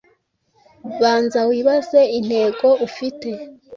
banza wibaze intego ufite.